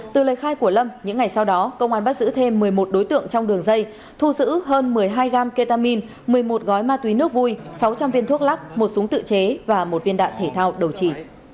từ lời khai của lâm những ngày sau đó công an bắt giữ thêm một mươi một đối tượng trong đường dây thu giữ hơn một mươi hai gam ketamine một mươi một gói ma túy nước vui sáu trăm linh viên thuốc lắc một súng tự chế và một viên đạn thể thao đầu chỉ